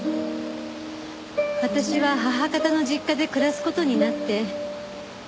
私は母方の実家で暮らす事になって。